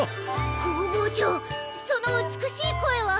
工房長その美しい声は？